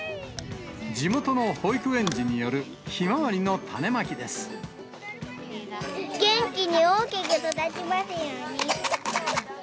地元の保育園児によるひまわ元気に大きく育ちますように。